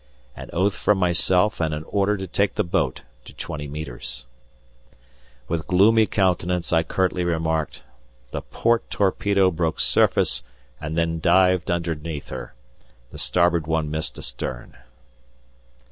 An oath from myself and an order to take the boat to twenty metres. With gloomy countenance I curtly remarked: "The port torpedo broke surface and then dived underneath her, the starboard one missed astern."